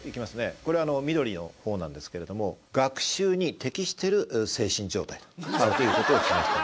これ緑の方なんですけれども学習に適してる精神状態だという事を示している。